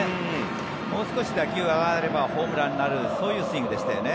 もう少し打球が上がればホームランになるそういうスイングでしたよね。